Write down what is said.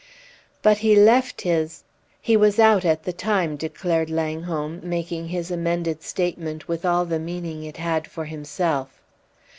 "But he left his he was out at the time!" declared Langholm, making his amended statement with all the meaning it had for himself.